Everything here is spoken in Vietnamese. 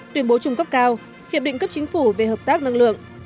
tuyển bố trung cấp cao hiệp định cấp chính phủ về hợp tác năng lượng